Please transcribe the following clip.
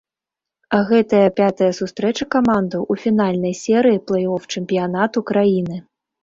Гэтая пятая сустрэча камандаў у фінальнай серыі плэй-оф чэмпіянату краіны.